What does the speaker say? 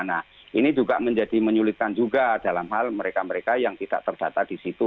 nah ini juga menjadi menyulitkan juga dalam hal mereka mereka yang tidak terdata di situ